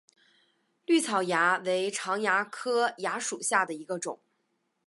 葎草蚜为常蚜科蚜属下的一个种。